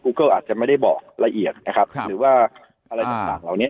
เกิ้ลอาจจะไม่ได้บอกละเอียดนะครับหรือว่าอะไรต่างเหล่านี้